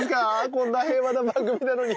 こんな平和な番組なのに。